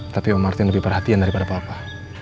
tapi om martin lebih perhatian daripada papa